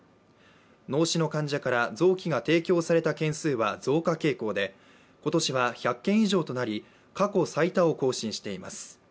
脳死の患者から臓器が提供された件数は増加傾向で今年は１００件以上となり過去最多を更新しています。